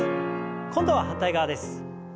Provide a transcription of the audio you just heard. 今度は反対側です。